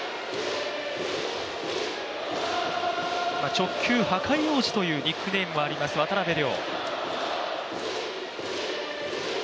直球破壊王子というニックネームもあります、渡邉諒。